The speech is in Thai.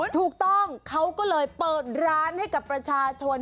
ถูกต้องเขาก็เลยเปิดร้านให้กับประชาชน